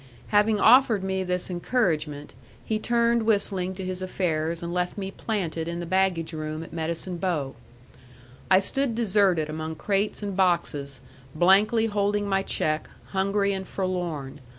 Having offered me this encouragement, he turned whistling to his affairs and left me planted in the baggage room at Medicine Bow. I stood deserted among crates and boxes, blankly holding my check, hungry and forlorn.